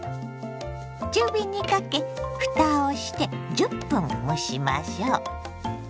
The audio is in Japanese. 中火にかけふたをして１０分蒸しましょ。